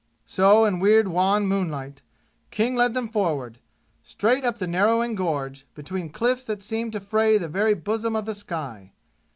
So in weird wan moonlight, King led them forward, straight up the narrowing gorge, between cliffs that seemed to fray the very bosom of the sky.